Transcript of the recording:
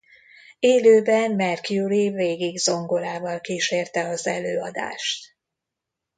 Élőben Mercury végig zongorával kísérte az előadást.